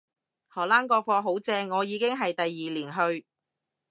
荷蘭個課好正，我已經係第二年去